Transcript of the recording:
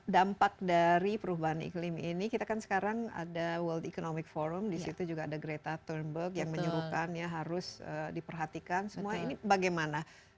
dampak dari perubahan iklim ini kita kan sekarang ada world economic forum disitu juga ada greta turnberg yang menyuruhkan ya harus diperhatikan semua ini bagaimana